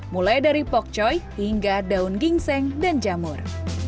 mulai dari pok choy hingga daun gingseng dan jamur